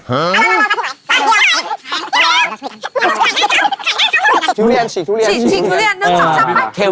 เอาเลยครับ